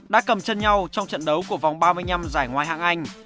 đã cầm chân nhau trong trận đấu của vòng ba mươi năm giải ngoại hạng anh